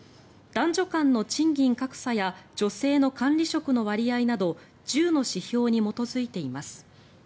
男女間の賃金格差や女性の管理職の割合など１０の指標に基づいています。